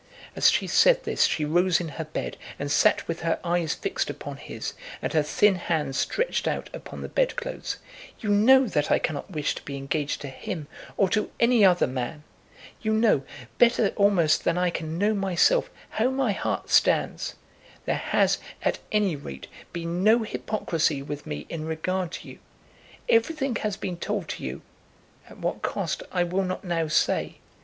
As she said this she rose in her bed, and sat with her eyes fixed upon his, and her thin hands stretched out upon the bedclothes. "You know that I cannot wish to be engaged to him or to any other man. You know, better almost than I can know myself, how my heart stands. There has, at any rate, been no hypocrisy with me in regard to you. Everything has been told to you; at what cost I will not now say.